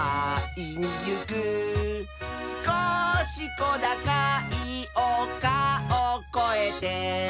「すこしこだかいおかをこえて」